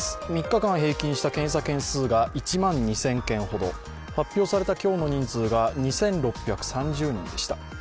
３日間平均した検査件数が１万２０００件ほど、発表された今日の人数が２６３０人でした。